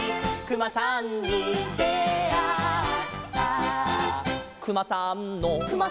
「くまさんの」